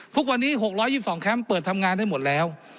ทุกวันนี้๖๒๒แคมป์เปิดทำงานได้หมดแล้ว